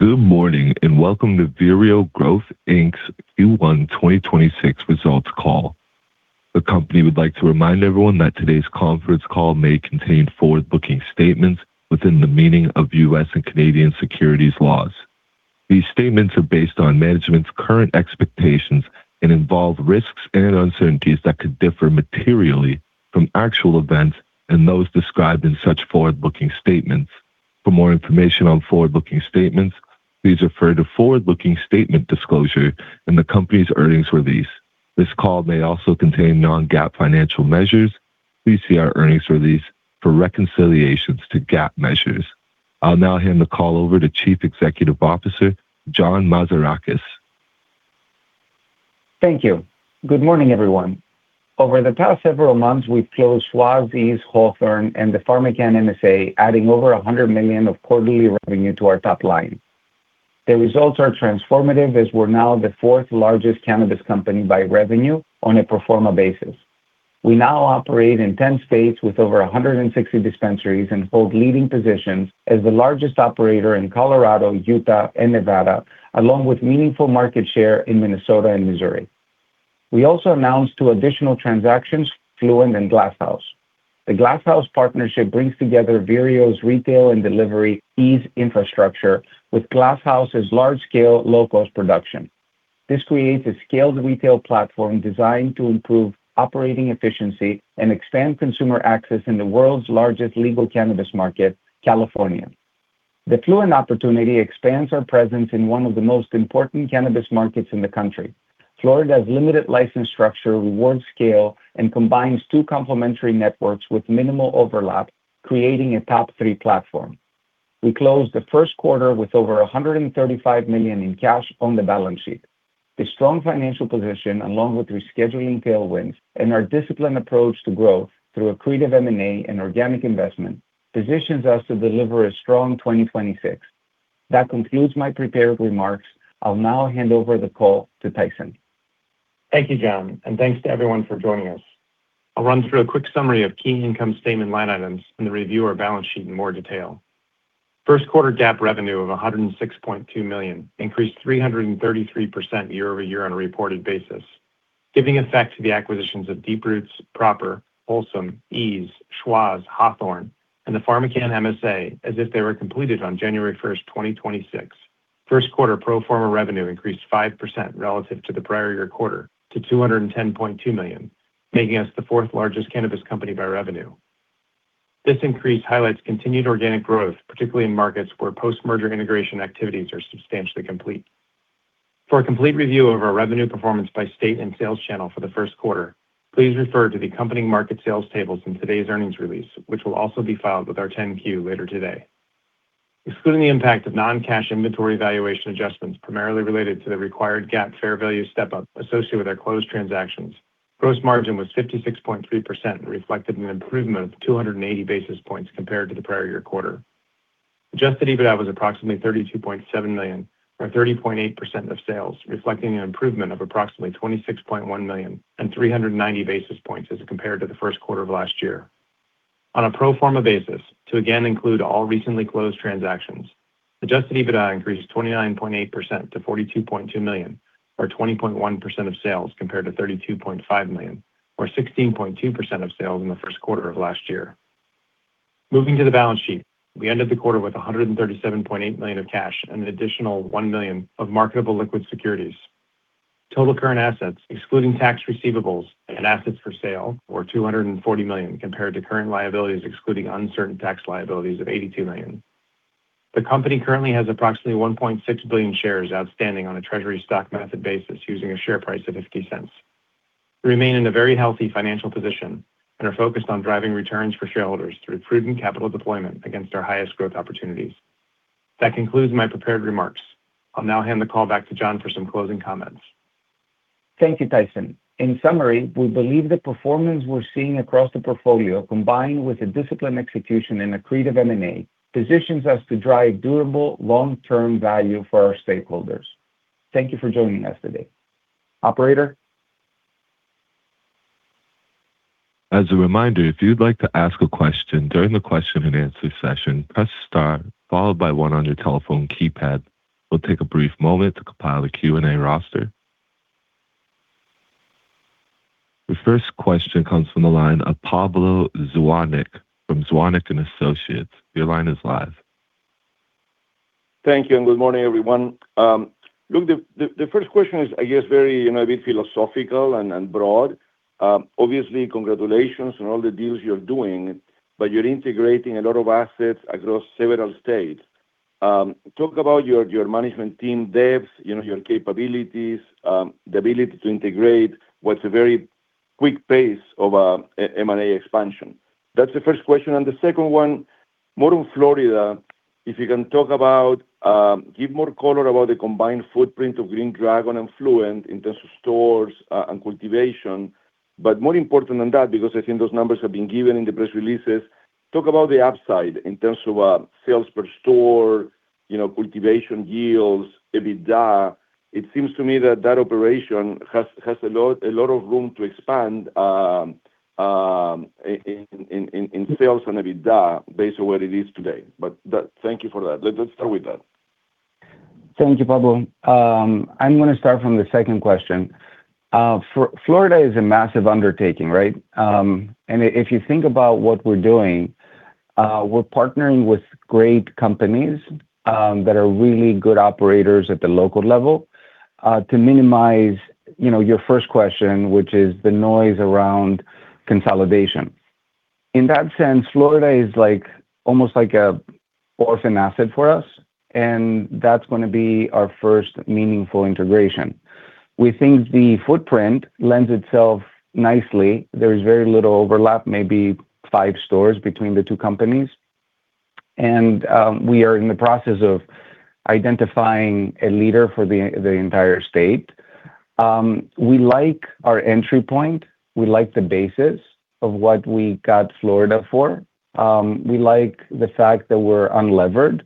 Good morning, and welcome to Vireo Growth Inc.'s Q1 2026 results call. The company would like to remind everyone that today's conference call may contain forward-looking statements within the meaning of U.S. and Canadian securities laws. These statements are based on management's current expectations and involve risks and uncertainties that could differ materially from actual events and those described in such forward-looking statements. For more information on forward-looking statements, please refer to forward-looking statement disclosure in the company's earnings release. This call may also contain non-GAAP financial measures. Please see our earnings release for reconciliations to GAAP measures. I'll now hand the call over to Chief Executive Officer, John Mazarakis. Thank you. Good morning, everyone. Over the past several months, we've closed Schwazze, Eaze, Hawthorne, and the PharmaCann MSA, adding over $100 million of quarterly revenue to our top line. The results are transformative as we're now the fourth largest cannabis company by revenue on a pro forma basis. We now operate in 10 states with over 160 dispensaries and hold leading positions as the largest operator in Colorado, Utah, and Nevada, along with meaningful market share in Minnesota and Missouri. We also announced two additional transactions, FLUENT and Glass House. The Glass House partnership brings together Vireo's retail and delivery Eaze infrastructure with Glass House's large-scale, low-cost production. This creates a scaled retail platform designed to improve operating efficiency and expand consumer access in the world's largest legal cannabis market, California. The FLUENT opportunity expands our presence in one of the most important cannabis markets in the country. Florida's limited license structure rewards scale and combines two complementary networks with minimal overlap, creating a top-three platform. We closed the first quarter with over $135 million in cash on the balance sheet. The strong financial position, along with rescheduling tailwinds and our disciplined approach to growth through accretive M&A and organic investment, positions us to deliver a strong 2026. That concludes my prepared remarks. I'll now hand over the call to Tyson. Thank you, John, and thanks to everyone for joining us. I'll run through a quick summary of key income statement line items and then review our balance sheet in more detail. First quarter GAAP revenue of $106.2 million increased 333% year-over-year on a reported basis. Giving effect to the acquisitions of Deep Roots, Proper, Wholesome, Eaze, Schwazze, Hawthorne, and the PharmaCann MSA as if they were completed on January 1st, 2026. First quarter pro forma revenue increased 5% relative to the prior year quarter to $210.2 million, making us the fourth largest cannabis company by revenue. This increase highlights continued organic growth, particularly in markets where post-merger integration activities are substantially complete. For a complete review of our revenue performance by state and sales channel for the first quarter, please refer to the accompanying market sales tables in today's earnings release, which will also be filed with our 10-Q later today. Excluding the impact of non-cash inventory valuation adjustments primarily related to the required GAAP fair value step-up associated with our closed transactions, gross margin was 56.3%, reflected in an improvement of 280 basis points compared to the prior year quarter. Adjusted EBITDA was approximately $32.7 million or 30.8% of sales, reflecting an improvement of approximately $26.1 million and 390 basis points as compared to the first quarter of last year. On a pro forma basis, to again include all recently closed transactions, Adjusted EBITDA increased 29.8% to $42.2 million, or 20.1% of sales compared to $32.5 million, or 16.2% of sales in the first quarter of last year. Moving to the balance sheet, we ended the quarter with $137.8 million of cash and an additional $1 million of marketable liquid securities. Total current assets, excluding tax receivables and assets for sale were $240 million compared to current liabilities excluding uncertain tax liabilities of $82 million. The company currently has approximately 1.6 billion shares outstanding on a treasury stock method basis using a share price of $0.50. We remain in a very healthy financial position and are focused on driving returns for shareholders through prudent capital deployment against our highest growth opportunities. That concludes my prepared remarks. I'll now hand the call back to John for some closing comments. Thank you, Tyson. In summary, we believe the performance we're seeing across the portfolio, combined with a disciplined execution and accretive M&A, positions us to drive durable long-term value for our stakeholders. Thank you for joining us today. Operator. As a reminder, if you'd like to ask a question during the question-and-answer session, press star followed by one on your telephone keypad. We'll take a brief moment to compile a Q&A roster. The first question comes from the line of Pablo Zuanic from Zuanic & Associates. Your line is live. Thank you, good morning, everyone. Look, the first question is, I guess, very, you know, a bit philosophical and broad. Obviously, congratulations on all the deals you're doing, but you're integrating a lot of assets across several states. Talk about your management team depths, you know, your capabilities, the ability to integrate what's a very quick pace of M&A expansion. That's the first question. The second one, more on Florida, if you can talk about, give more color about the combined footprint of Green Dragon and FLUENT in terms of stores and cultivation. More important than that, because I think those numbers have been given in the press releases, talk about the upside in terms of sales per store, you know, cultivation yields, EBITDA. It seems to me that that operation has a lot of room to expand in sales and EBITDA based on where it is today. Thank you for that. Let's start with that. Thank you, Pablo. I'm gonna start from the second question. Florida is a massive undertaking, right? If you think about what we're doing, we're partnering with great companies that are really good operators at the local level to minimize, you know, your first question, which is the noise around consolidation. In that sense, Florida is like, almost like a orphan asset for us, and that's gonna be our first meaningful integration. We think the footprint lends itself nicely. There's very little overlap, maybe five stores between the two companies. We are in the process of identifying a leader for the entire state. We like our entry point. We like the basis of what we got Florida for. We like the fact that we're unlevered.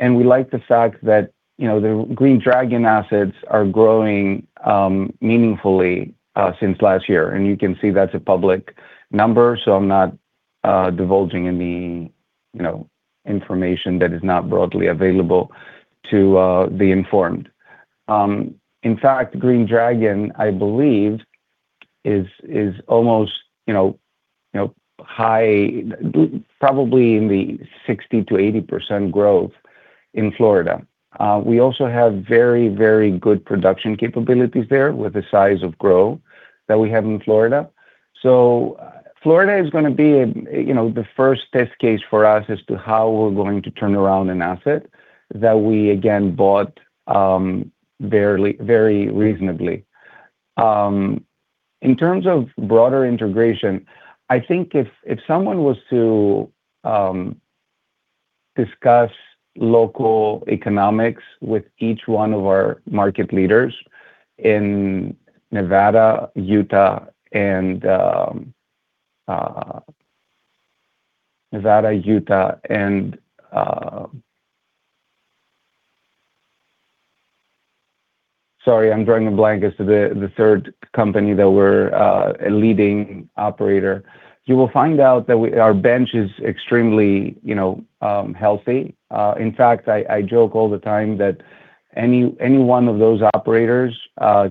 We like the fact that, you know, the Green Dragon assets are growing meaningfully since last year. You can see that's a public number, so I'm not divulging any, you know, information that is not broadly available to the informed. In fact, Green Dragon, I believe, is almost high probably in the 60%-80% growth in Florida. We also have very good production capabilities there with the size of grow that we have in Florida. Florida is going to be a, you know, the first test case for us as to how we're going to turn around an asset that we, again, bought very reasonably. In terms of broader integration, I think if someone was to discuss local economics with each one of our market leaders in Nevada, Utah, and sorry, I'm drawing a blank as to the third company that we're a leading operator. You will find out that we, our bench is extremely, you know, healthy. In fact, I joke all the time that any one of those operators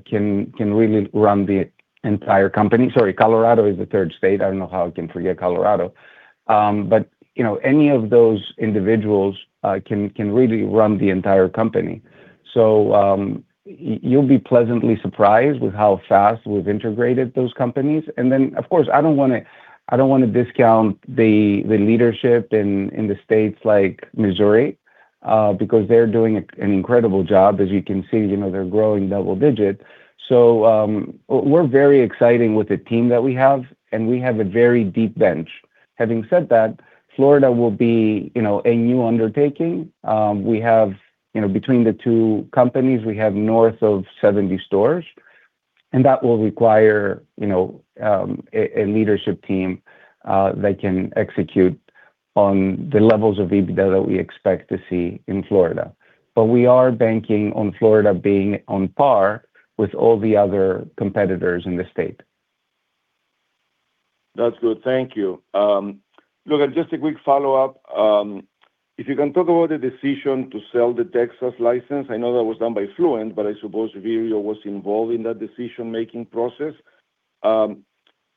can really run the entire company. Sorry, Colorado is the third state. I don't know how I can forget Colorado. But you know, any of those individuals can really run the entire company. You'll be pleasantly surprised with how fast we've integrated those companies. Of course, I don't want to, I don't want to discount the leadership in the states like Missouri, because they're doing an incredible job. As you can see, you know, they're growing double-digit. We're very exciting with the team that we have, and we have a very deep bench. Having said that, Florida will be, you know, a new undertaking. We have, you know, between the two companies, we have north of 70 stores, and that will require, you know, a leadership team that can execute on the levels of EBITDA that we expect to see in Florida. We are banking on Florida being on par with all the other competitors in the state. That's good. Thank you. Look, just a quick follow-up. If you can talk about the decision to sell the Texas license. I know that was done by FLUENT, I suppose Vireo was involved in that decision-making process.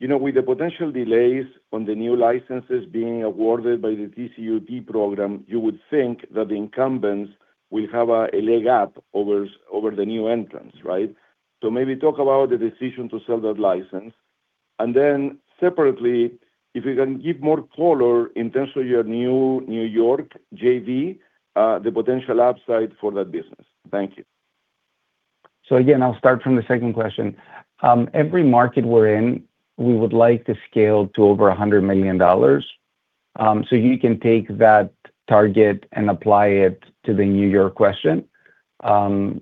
You know, with the potential delays on the new licenses being awarded by the TCUP program, you would think that the incumbents will have a leg up over the new entrants, right? Maybe talk about the decision to sell that license, and then separately, if you can give more color in terms of your new New York JV, the potential upside for that business. Thank you. I'll start from the second question. Every market we're in, we would like to scale to over $100 million. You can take that target and apply it to the New York question. We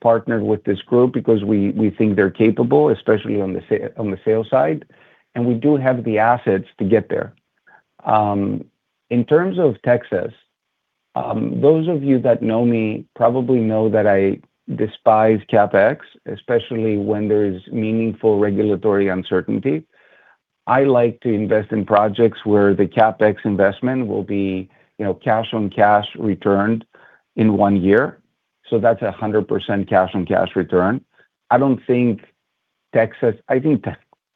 partnered with this group because we think they're capable, especially on the sales side, and we do have the assets to get there. In terms of Texas, those of you that know me probably know that I despise CapEx, especially when there's meaningful regulatory uncertainty. I like to invest in projects where the CapEx investment will be, you know, cash-on-cash returned in one year, that's 100% cash-on-cash return. I think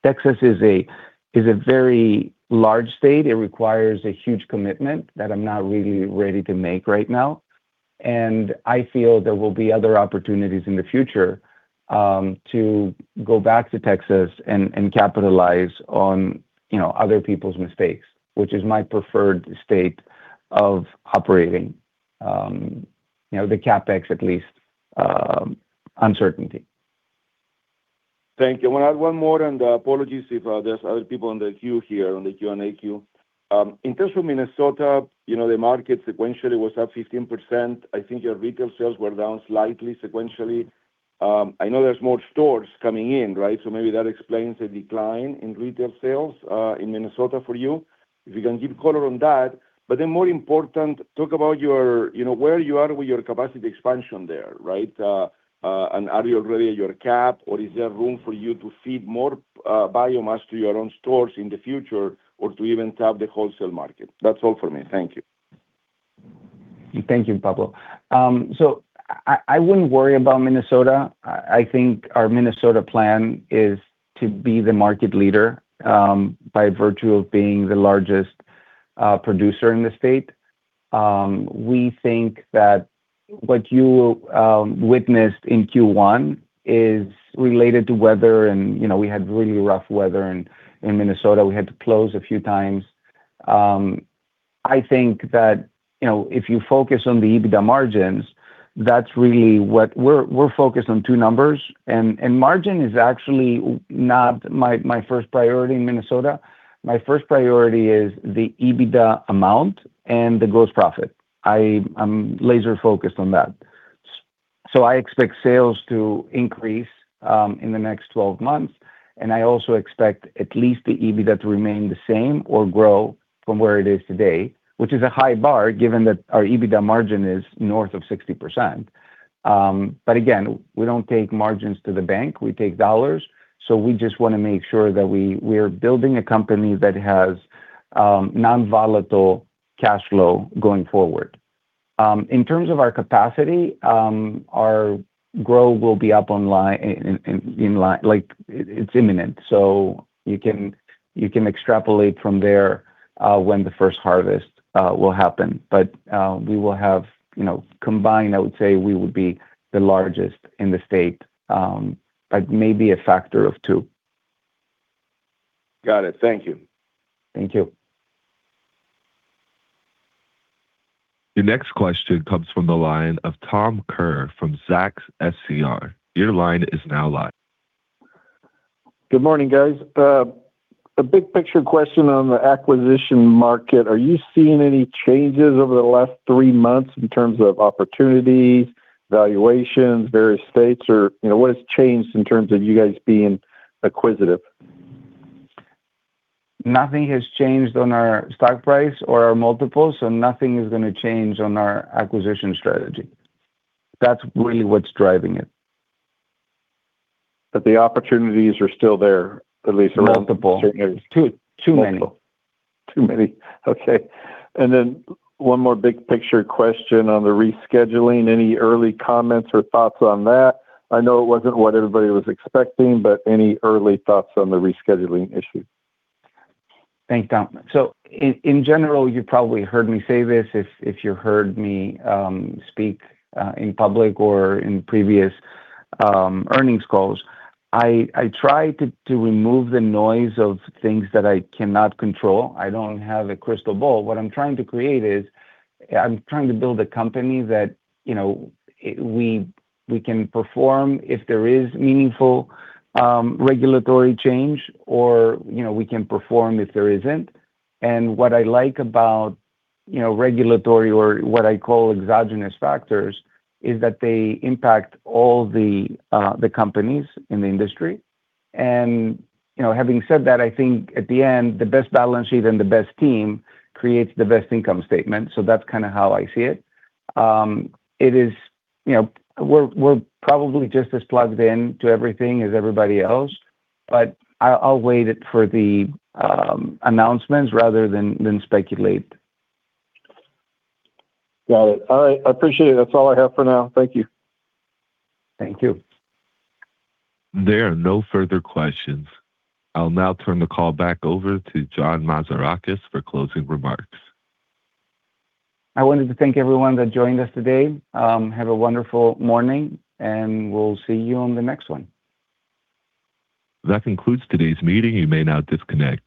Texas is a very large state. It requires a huge commitment that I'm not really ready to make right now, and I feel there will be other opportunities in the future, to go back to Texas and capitalize on, you know, other people's mistakes, which is my preferred state of operating. You know, the CapEx at least, uncertainty. Thank you. I wanna add one more, apologies if there's other people on the queue here, on the Q&A queue. In terms of Minnesota, you know, the market sequentially was up 15%. I think your retail sales were down slightly sequentially. I know there's more stores coming in, right? Maybe that explains the decline in retail sales in Minnesota for you. If you can give color on that. More important, talk about your, you know, where you are with your capacity expansion there, right? Are you already at your cap or is there room for you to feed more biomass to your own stores in the future or to even tap the wholesale market? That's all for me. Thank you. Thank you, Pablo. I wouldn't worry about Minnesota. I think our Minnesota plan is to be the market leader by virtue of being the largest producer in the state. We think that what you witnessed in Q1 is related to weather and, you know, we had really rough weather in Minnesota. We had to close a few times. I think that, you know, if you focus on the EBITDA margins, that's really what We're focused on two numbers and margin is actually not my first priority in Minnesota. My first priority is the EBITDA amount and the gross profit. I'm laser-focused on that. So I expect sales to increase in the next 12 months, and I also expect at least the EBITDA to remain the same or grow from where it is today, which is a high bar, given that our EBITDA margin is north of 60%. Again, we don't take margins to the bank, we take dollars, so we just wanna make sure that we're building a company that has non-volatile cashflow going forward. In terms of our capacity, our growth will be up online, in line, like it's imminent, so you can extrapolate from there when the first harvest will happen. We will have, you know, combined, I would say we would be the largest in the state by maybe a factor of 2. Got it. Thank you. Thank you. The next question comes from the line of Tom Kerr from Zacks SCR. Your line is now live. Good morning, guys. A big picture question on the acquisition market. Are you seeing any changes over the last three months in terms of opportunities, valuations, various states, or, you know, what has changed in terms of you guys being acquisitive? Nothing has changed on our stock price or our multiples, so nothing is gonna change on our acquisition strategy. That's really what's driving it. The opportunities are still there. Multiple A certain areas. Too, too many. Multiple. Too many. Okay. One more big picture question on the rescheduling. Any early comments or thoughts on that? I know it wasn't what everybody was expecting, but any early thoughts on the rescheduling issue? Thanks, Tom. In general, you probably heard me say this if you heard me speak in public or in previous earnings calls. I try to remove the noise of things that I cannot control. I don't have a crystal ball. What I'm trying to create is I'm trying to build a company that, you know, we can perform if there is meaningful regulatory change or, you know, we can perform if there isn't. What I like about, you know, regulatory or what I call exogenous factors, is that they impact all the companies in the industry. You know, having said that, I think at the end, the best balance sheet and the best team creates the best income statement, so that's kinda how I see it. It is, you know, we're probably just as plugged in to everything as everybody else, but I'll wait it for the announcements rather than speculate. Got it. All right. I appreciate it. That's all I have for now. Thank you. Thank you. There are no further questions. I'll now turn the call back over to John Mazarakis for closing remarks. I wanted to thank everyone that joined us today. Have a wonderful morning, and we'll see you on the next one. That concludes today's meeting. You may now disconnect.